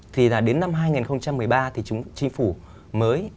thì là đến năm hai nghìn một mươi ba thì chúng chính phủ mới